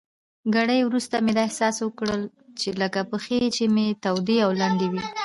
ګړی وروسته مې داسې احساس وکړل لکه پښې چي مې تودې او لندې وي.